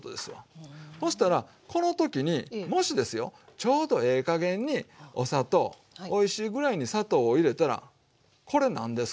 そしたらこの時にもしですよちょうどええ加減にお砂糖おいしいぐらいに砂糖を入れたらこれ何ですか？